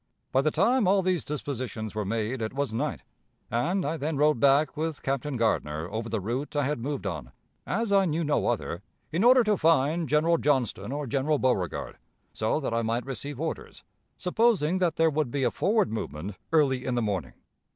By the time all these dispositions were made it was night, and I then rode back with Captain Gardner over the route I had moved on, as I knew no other, in order to find General Johnston or General Beauregard, so that I might receive orders, supposing that there would be a forward movement early in the morning.